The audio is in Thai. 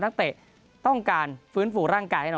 นักเตะต้องการฟื้นฟูร่างกายแน่นอน